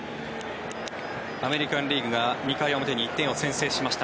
アメリカン・リーグが２回表に１点を先制しました。